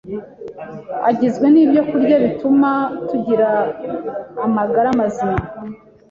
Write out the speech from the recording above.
agizwe n’ibyokurya bituma tugira amagara mazima,